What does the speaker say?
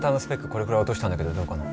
これくらい落としたんだけどどうかな？